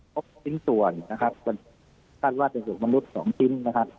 พบชิ้นส่วนนะครับคาดว่าจะถูกมนุษย์สองชิ้นนะครับ